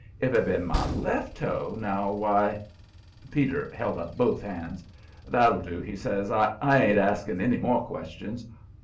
If it had been my left toe now, why " Peter held up both hands. "That'll do," he says. "I ain't asking any more questions.